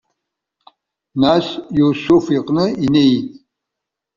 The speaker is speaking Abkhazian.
Нас Иусуф иҟны инеит.